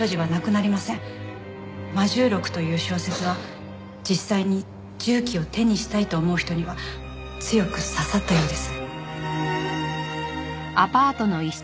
『魔銃録』という小説は実際に銃器を手にしたいと思う人には強く刺さったようです。